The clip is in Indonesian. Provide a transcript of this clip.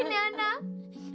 yana jangan pergi nak